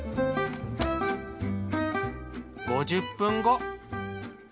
５０分後。